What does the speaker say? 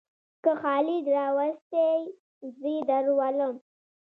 کې خالد راوستى؛ زې درولم.